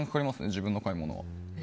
自分の買い物は。